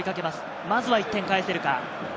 まずは１点返せるか。